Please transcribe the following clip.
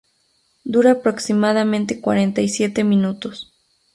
Dura aproximadamente cuarenta y siete minutos.